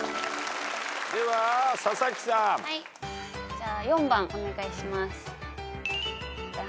じゃあ４番お願いします。